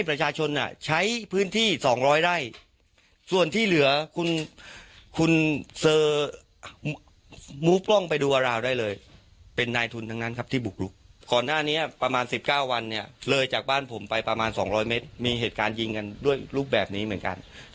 พี่ฝ์ดียาพี่ฝ์หายิงด้วยลูกแบบนี้เหมือนกัน